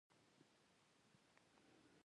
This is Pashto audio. تر ټرېن پورې پیاده لاره زیاته ده.